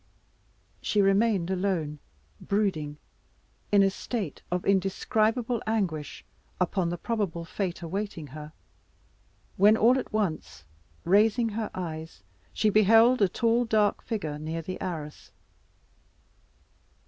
She remained alone, brooding, in a state of indescribable anguish, upon the probable fate awaiting her, when all at once, raising her eyes, she beheld a tall dark figure near the arras.